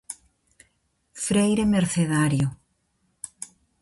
Freire mercedario.